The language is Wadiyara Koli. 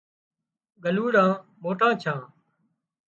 ڳلُوڙان موٽان ڇان